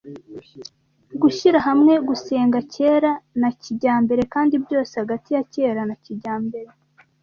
Gushyira hamwe gusenga kera na kijyambere kandi byose hagati ya kera na kijyambere,